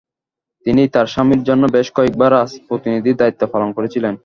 তিনি তার স্বামীর জন্য বেশ কয়েকবার রাজপ্রতিনিধির দায়িত্ব পালন করেছিলেন।